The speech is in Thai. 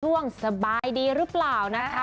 ช่วงสบายดีหรือเปล่านะคะ